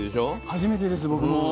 初めてです僕も。